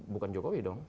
bukan jokowi dong